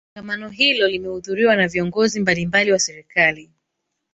kongamano hilo limehudhuriwa na viongozi mbalimbali wa serikali